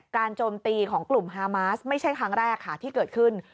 โจมตีของกลุ่มฮามาสไม่ใช่ครั้งแรกค่ะที่เกิดขึ้น